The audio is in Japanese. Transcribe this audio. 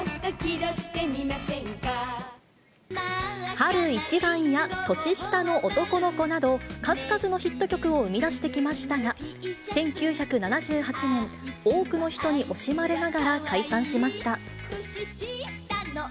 春一番や年下の男の子など、数々のヒット曲を生み出してきましたが、１９７８年、多くの人に惜しまれながら解散しました。